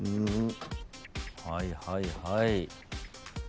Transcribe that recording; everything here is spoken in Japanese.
はいはいはい。